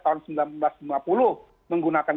tahun seribu sembilan ratus lima puluh menggunakan